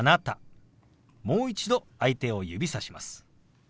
もう一度相手を指さします。